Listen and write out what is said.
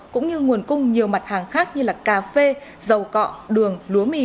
cũng như nguồn cung nhiều mặt hàng khác như cà phê dầu cọ đường lúa mì